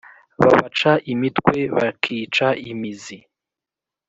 Babaca imitwe bakica imizi